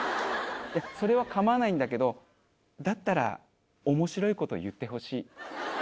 いやそれはかまわないんだけどだったら面白い事言ってほしい。